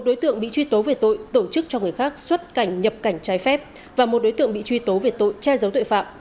một đối tượng bị truy tố về tội tổ chức cho người khác xuất cảnh nhập cảnh trái phép và một đối tượng bị truy tố về tội che giấu tội phạm